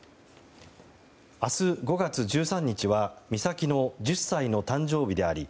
明日５月１３日は美咲の１０歳の誕生日であり